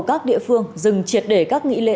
các địa phương dừng triệt để các nghị lệ